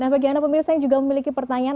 nah bagi anda pemirsa yang juga memiliki pertanyaan